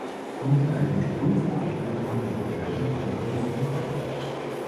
Unter einem Strumpf versteht man die Bekleidung von Fuß und Bein.